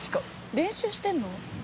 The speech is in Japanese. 練習してるの？